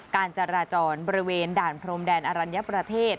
การจราจรบริเวณด่านพรมแดนอรัญญประเทศ